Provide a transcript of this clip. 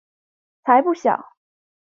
才不小！